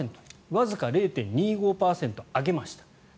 わずか０．２５％上げました。